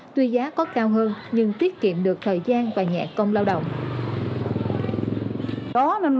tuy giá có cao hơn nhưng tiết kiệm được thời gian và nhẹ công lao động